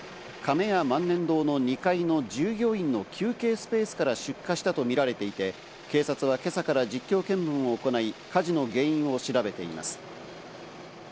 亀屋万年堂の２階の従業員の休憩スペースから出火したとみられていて、警察は今朝から実況見分を行い、火事の原因を調べています。